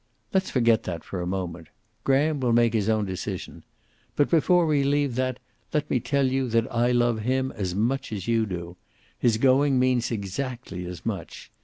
"Let's forget that for a moment. Graham will make his own decision. But, before we leave that, let me tell you that I love him as much as you do. His going means exactly as much.